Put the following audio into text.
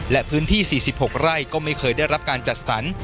และพื้นที่๔๖ไร่ก็ไม่เคยได้รับการจัดสรร